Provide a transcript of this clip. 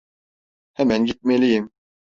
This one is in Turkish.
Hemen gitmeliyim.